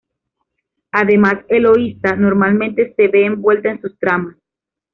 Además Eloísa normalmente se ve envuelta en sus tramas.